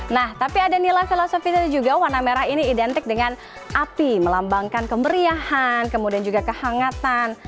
nah tapi ada nilai filosofinya juga warna merah ini identik dengan api melambangkan kemeriahan kemudian juga kehangatan